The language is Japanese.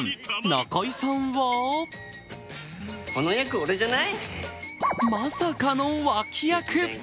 中居さんはまさかの脇役。